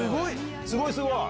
すごいすごい！